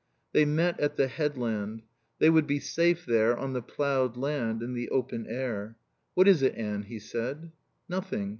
They met at the "headland." They would be safe there on the ploughed land, in the open air. "What is it, Anne?" he said. "Nothing.